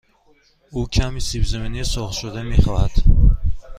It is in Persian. او کمی سیب زمینی سرخ شده می خواهد.